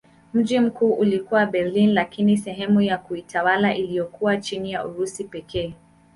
Mji mkuu ulikuwa Berlin lakini sehemu ya kiutawala iliyokuwa chini ya Urusi pekee.